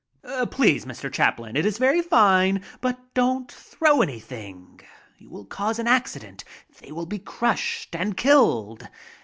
"Please, Mr. Chaplin, it is very fine, but don't throw any thing. You will cause an accident. They will be crushed and killed.